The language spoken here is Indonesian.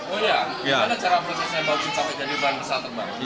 oh iya bagaimana cara prosesnya bauksit sampai jadi bahan pesawat terbang